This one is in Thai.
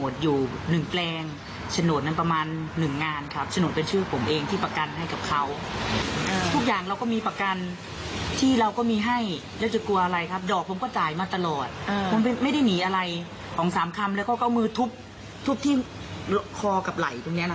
ซึ่งไม่มีเงินแต่เรานัดเขาบอกว่า